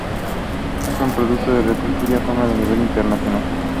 Es un producto con reconocida fama a nivel internacional.